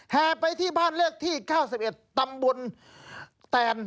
ไปที่บ้านเลขที่๙๑ตำบลแตน